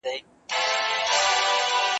د جاهل ژبه به ولي لکه توره چلېدلای ,